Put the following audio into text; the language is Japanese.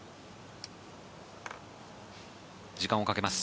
時間をかけます。